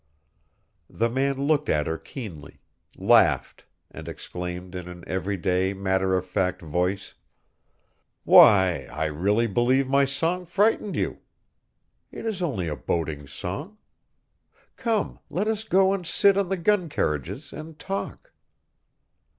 The man looked at her keenly, laughed, and exclaimed in an every day, matter of fact voice: "Why, I really believe my song frightened you. It is only a boating song. Come, let us go and sit on the gun carriages and talk."